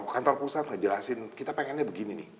kantor pusat ngejelasin kita pengennya begini nih